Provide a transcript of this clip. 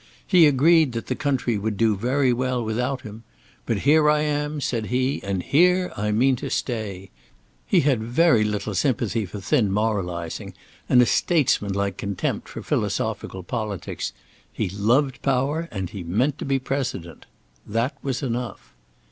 He agreed that the country would do very well without him. "But here I am," said he, "and here I mean to stay." He had very little sympathy for thin moralising, and a statesmanlike contempt for philosophical politics. He loved power, and he meant to be President. That was enough.